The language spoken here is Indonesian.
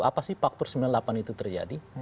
apa sih faktor sembilan puluh delapan itu terjadi